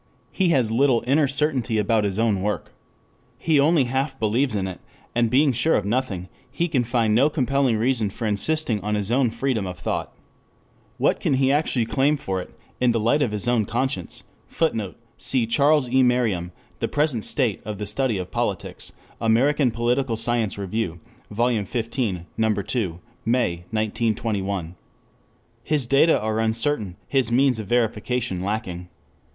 He has little inner certainty about his own work. He only half believes in it, and being sure of nothing, he can find no compelling reason for insisting on his own freedom of thought. What can he actually claim for it, in the light of his own conscience? [Footnote: Cf. Charles E. Merriam, The Present State of the Study of Politics, American Political Science Review, Vol. XV. No. 2, May, 1921.] His data are uncertain, his means of verification lacking.